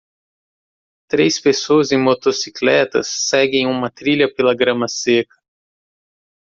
Três pessoas em motocicletas seguem uma trilha pela grama seca.